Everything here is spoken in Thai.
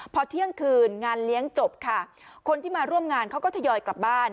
พอเที่ยงคืนงานเลี้ยงจบค่ะคนที่มาร่วมงานเขาก็ทยอยกลับบ้าน